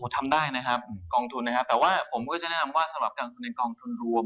ทำได้นะครับกองทุนนะครับแต่ว่าผมก็จะแนะนำว่าสำหรับการทุนในกองทุนรวม